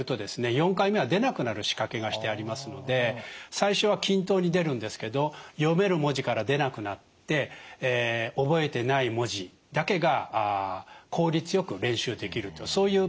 ４回目は出なくなる仕掛けがしてありますので最初は均等に出るんですけど読める文字から出なくなって覚えてない文字だけが効率よく練習できるそういうプログラムになっています。